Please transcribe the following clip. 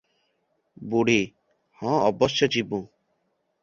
ବୁଢୀ - ହଁ ଅବଶ୍ୟ ଯିବୁଁ ।